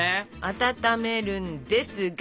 温めるんですが。